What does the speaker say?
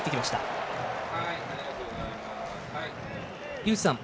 井口さん